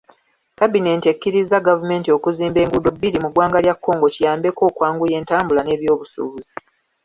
Kabbineeti ekkiriza gavumenti okuzimba enguudo bbiri mu ggwanga lya Congo kiyambeko okwanguya entambula n'ebwobusubuzi.